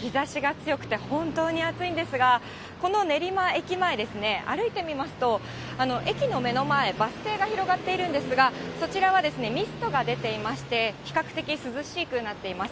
日ざしが強くて本当に暑いんですが、この練馬駅前ですね、歩いてみますと、駅の目の前、バス停が広がっているんですが、そちらはミストが出ていまして、比較的涼しくなっています。